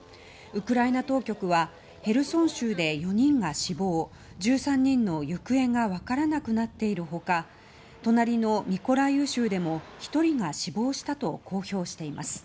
ウクライナ当局はヘルソン州で４人が死亡１３人の行方が分からなくなっている他隣のミコライウ州でも、１人が死亡したと公表しています。